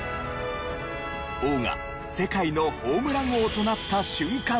王が世界のホームラン王となった瞬間だった。